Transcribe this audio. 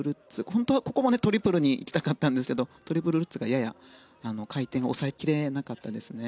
本当はここもトリプルで行きたかったんですけどトリプルルッツが、やや回転が抑えきれなかったですね。